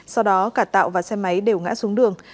sau đó cả tạo và xe máy đều ngã xuống đường